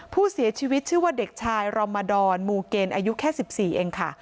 ผู้เสียชีวิตชื่อว่าเด็กชายรอมดรมูเกณฑ์อายุแค่๑๔เองค่ะ